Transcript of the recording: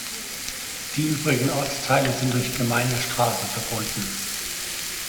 Die übrigen Ortsteile sind durch Gemeindestraßen verbunden.